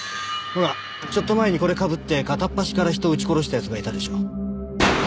ほらちょっと前にこれかぶって片っ端から人を撃ち殺した奴がいたでしょう。